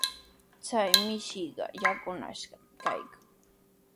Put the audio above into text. Chay mishiqa yakunashqami kaykan.